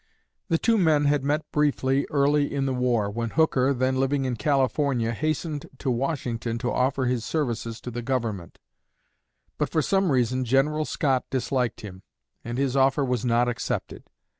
The two men had met briefly early in the war, when Hooker, then living in California, hastened to Washington to offer his services to the Government; but for some reason General Scott disliked him, and his offer was not accepted.